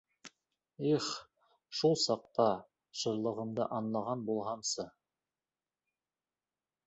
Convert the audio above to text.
Их, шул саҡта шырлығымды аңлаған булһамсы.